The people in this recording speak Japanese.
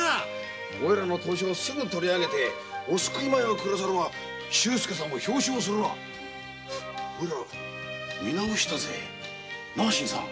おいらの投書をすぐ取り上げてお救い米は下さるわ周介さんを表彰するわおいら見直したぜな新さん。